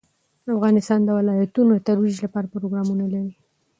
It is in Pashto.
افغانستان د ولایتونو د ترویج لپاره پروګرامونه لري.